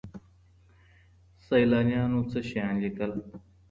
سيلانيانو څه شيان ليکل؟